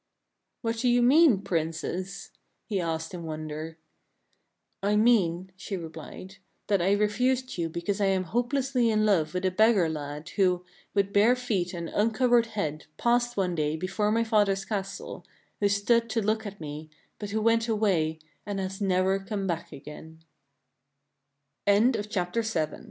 " What do you mean, Princess ?" he asked in wonder. " I mean," she replied, " that I refused you because I am hopelessly in love with a beggar lad, who, with bare feet and uncovered head, passed one day before my father's castle, who stood to look at me, but who went away,